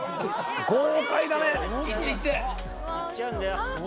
豪快だねいっていって。